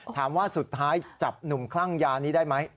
ถามว่าสุดท้ายจับหนุ่มคลั่งยานี้ได้ไหม